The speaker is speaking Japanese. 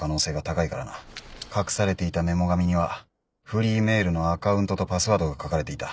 隠されていたメモ紙にはフリーメールのアカウントとパスワードが書かれていた。